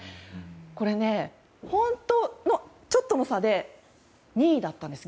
これ、本当にちょっとの差で２位だったんです。